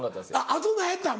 あと何やったん？